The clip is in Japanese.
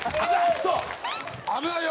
危ないよ！